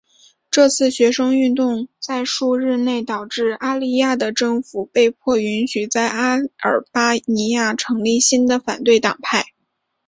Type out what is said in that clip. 这次学生运动在数日内导致阿利雅的政府被迫允许在阿尔巴尼亚成立新的反对党派。